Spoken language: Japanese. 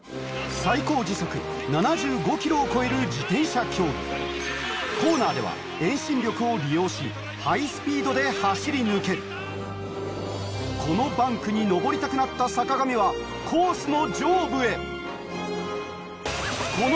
最高時速７５ｋｍを超える自転車競技コーナーでは遠心力を利用しハイスピードで走り抜けるこのバンクに上りたくなった坂上はコースの上部へほら！